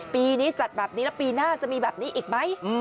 ปีนี้จัดแบบนี้แล้วปีหน้าจะมีแบบนี้อีกไหม